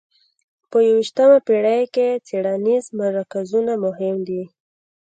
په یویشتمه پېړۍ کې څېړنیز مرکزونه مهم دي.